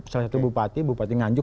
salah satu bupati bupati nganjuk